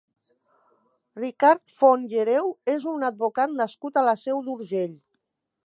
Ricard Font i Hereu és un advocat nascut a la Seu d'Urgell.